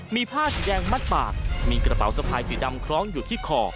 มีผ้าสีแดงมัดปากมีกระเป๋าสะพายสีดำคล้องอยู่ที่คอ